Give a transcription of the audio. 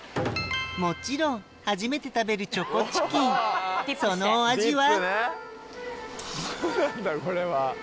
もちろん初めて食べるチョコチキンそのお味は？